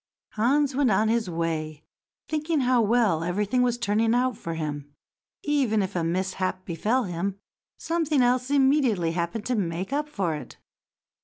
Hans went on his way, thinking how well everything was turning out for him. Even if a mishap befell him, something else immediately happened to make up for it.